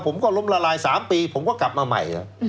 ผมก็ล้มละลาย๓ปีผมก็กลับมาใหม่